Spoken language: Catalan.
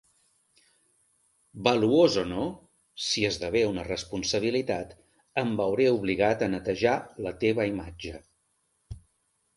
Valuós o no, si esdevé una responsabilitat, em veuré obligat a netejar la teva imatge.